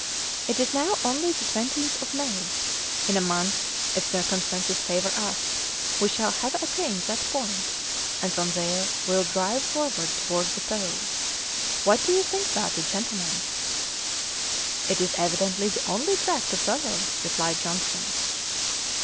It is now only the 20th of May; in a month, if circumstances favour us, we shall have attained that point, and from there we'll drive forward towards the Pole. What do you think about it, gentlemen?" "It is evidently the only track to follow," replied Johnson.